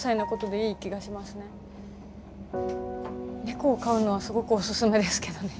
猫を飼うのはすごくオススメですけどね。